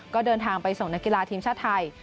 ก็เดินทางไปส่งนักกีฬาทีมชาติไทย